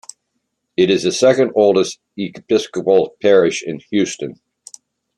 It is the second-oldest Episcopal parish in Houston.